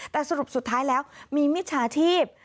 แต่สรุปสุดท้ายแล้วมีมิจฉาชีพ